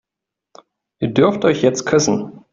Ihr dürft euch jetzt küssen.